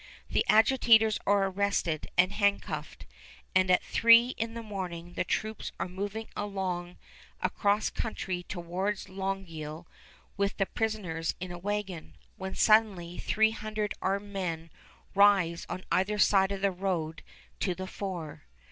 The agitators are arrested and handcuffed, and at three in the morning the troops are moving along across country towards Longueuil with the prisoners in a wagon, when suddenly three hundred armed men rise on either side of the road to the fore.